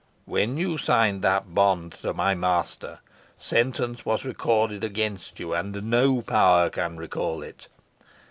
When you signed that bond to my master, sentence was recorded against you, and no power can recall it.